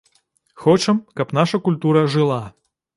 Хочам, каб наша культура жыла.